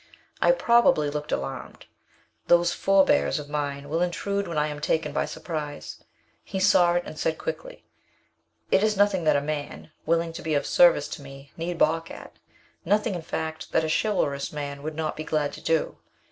I probably looked alarmed. Those forebears of mine will intrude when I am taken by surprise. He saw it, and said, quickly: "It is nothing that a man, willing to be of service to me, need balk at; nothing, in fact, that a chivalrous man would not be glad to do.